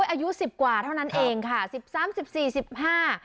อายุสิบกว่าเท่านั้นเองค่ะสิบสามสิบสี่สิบห้า